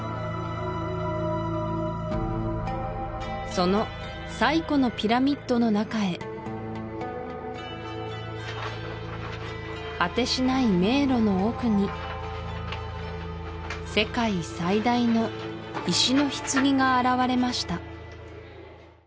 その最古のピラミッドの中へ果てしない迷路の奥に世界最大の石の棺が現れました